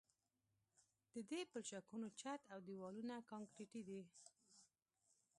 د دې پلچکونو چت او دیوالونه کانکریټي دي